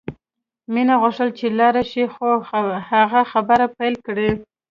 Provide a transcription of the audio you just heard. مینه غوښتل چې لاړه شي خو هغه خبرې پیل کړې